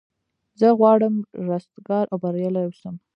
زه غواړم رستګار او بریالی اوسم.